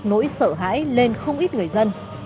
nỗi sợ hãi lên không ít người dân